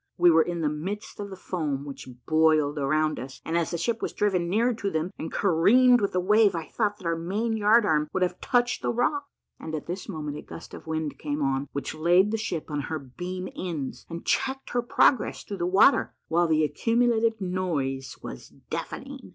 We were in the midst of the foam, which boiled around us; and as the ship was driven nearer to them, and careened with the wave, I thought that our main yard arm would have touched the rock; and at this moment a gust of wind came on which laid the ship on her beam ends, and checked her progress through the water, while the accumulated noise was deafening.